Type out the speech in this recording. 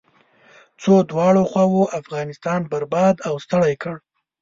څو دواړو خواوو افغانستان برباد او ستړی کړ.